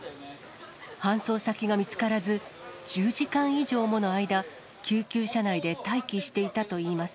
搬送先が見つからず、１０時間以上もの間、救急車内で待機していたといいます。